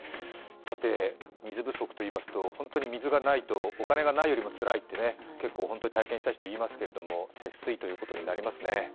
水不足といいますと、本当に水がないとお金がないよりもつらいと体験した人は言いますけれども、節水ということになりますね。